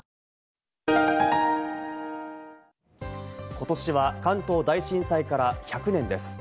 ことしは関東大震災から１００年です。